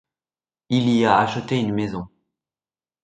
Il y a acheté une maison.